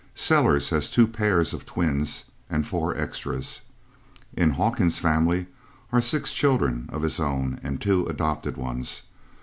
Sellers has two pairs of twins and four extras. In Hawkins's family are six children of his own and two adopted ones.